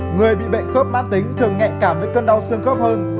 người bị bệnh khớp mát tính thường ngạy cảm với cơn đau xương khớp hơn